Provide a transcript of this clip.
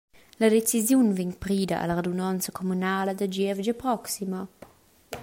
La decisiun vegn prida alla radunonza communala da gievgia proxima.